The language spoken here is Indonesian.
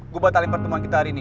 gue batalin pertemuan kita hari ini